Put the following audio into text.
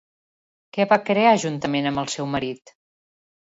Què va crear juntament amb el seu marit?